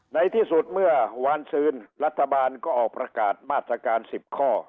ในที่สุดเมื่อวานซืนรัฐบาลก็ออกประกาศมาตรการ๑๐ข้อ